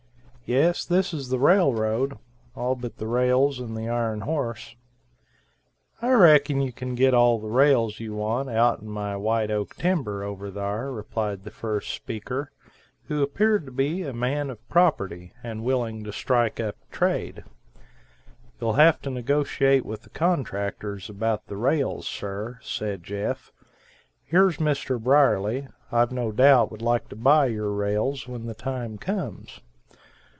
"Yes, this is the railroad; all but the rails and the ironhorse." "I reckon you kin git all the rails you want oaten my white oak timber over, thar," replied the first speaker, who appeared to be a man of property and willing to strike up a trade. "You'll have to negotiate with the contractors about the rails, sir," said Jeff; "here's Mr. Brierly, I've no doubt would like to buy your rails when the time comes."